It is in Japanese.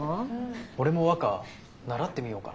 俺も和歌習ってみようかな。